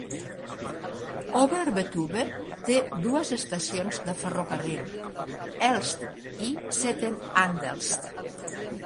Overbetuwe té dues estacions de ferrocarril: Elst i Zetten-Andelst.